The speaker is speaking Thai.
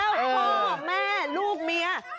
พ่อแม่ลูกเมีย